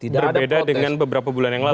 berbeda dengan beberapa bulan yang lalu